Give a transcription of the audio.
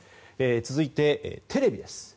続いて、テレビです。